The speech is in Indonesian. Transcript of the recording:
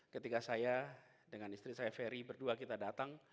ketika saya dengan istri saya ferry berdua kita datang